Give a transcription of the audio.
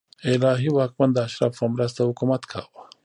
الهي واکمن د اشرافو په مرسته حکومت کاوه.